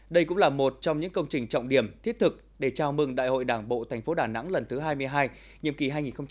đây cũng là một trong những công trình trọng điểm thiết thực để chào mừng đại hội đảng bộ tp đà nẵng lần thứ hai mươi hai nhiệm kỳ hai nghìn hai mươi hai nghìn hai mươi năm